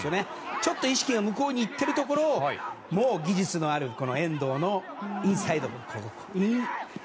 ちょっと意識が向こうにいっているところを技術のある遠藤のインサイド。